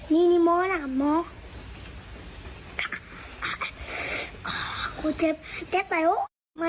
วิวนี่ม้อแหละครับม้อ